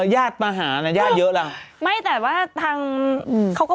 แย่ตัวเขามาหาแย่ต้องเยอะหละ